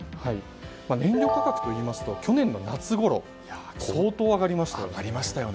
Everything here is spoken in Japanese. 燃料価格といいますと去年の夏ごろ相当上がりましたね。